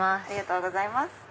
ありがとうございます。